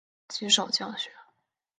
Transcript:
极少降雪。